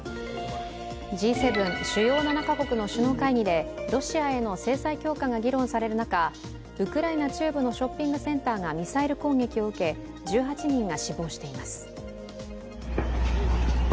Ｇ７＝主要７か国の首脳会議でロシアへの制裁強化が議論される中、ウクライナ中部のショッピングセンターがミサイル攻撃を受け１８人が死亡しています。